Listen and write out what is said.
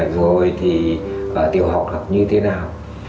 rồi thì tiểu học học như thế nào